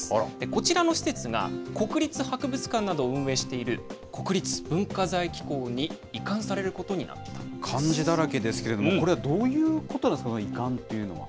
こちらの施設が、国立博物館などを運営している国立文化財機構に移管されることに漢字だらけですけれども、これはどういうことですか、移管というのは。